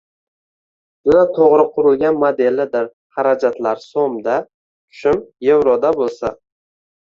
juda to‘g‘ri qurilgan modelidir: xarajatlar so‘mda, tushum yevroda bo‘lsa.